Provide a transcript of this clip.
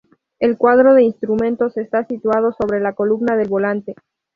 El cuadro de instrumentos está situado sobre la columna del volante.